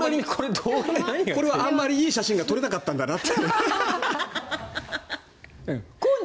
これはあんまりいい写真が撮れなかったんだなって。